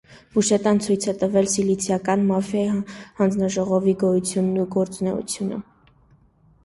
Բուշետան ցույց է տվել սիցիլիական մաֆիայի հանձնաժողովի գոյությունն ու գործունեությունը։